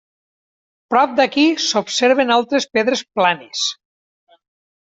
Prop d'aquí s'observen altres pedres planes.